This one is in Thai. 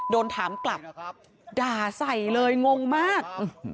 โดนถามกลับด่าใส่เลยงงมาก